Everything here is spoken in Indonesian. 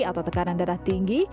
atau tekanan darah tinggi